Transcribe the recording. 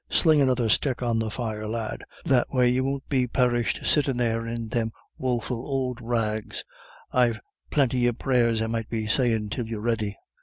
"Sling another stick on the fire, lad, the way you won't be perished sittin' there in thim woful ould rags. I've plinty of prayers I might be sayin' till you're ready."